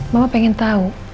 mama pengen tau